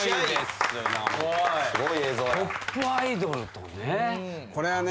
トップアイドルとね。